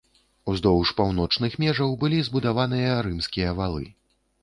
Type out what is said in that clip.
Уздоўж паўночных межаў былі збудаваныя рымскія валы.